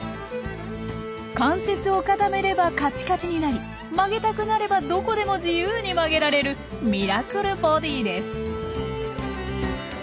関節を固めればカチカチになり曲げたくなればどこでも自由に曲げられるミラクルボディーです。